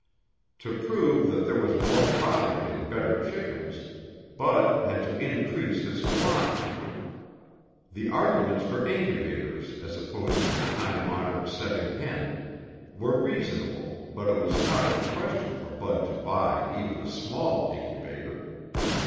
To prove that there was more profit in better chickens, Bud had to increase his flock. The arguments for incubators as opposed to the time honored setting hen were reasonable but it was out of the question for Bud to buy even a small incubator.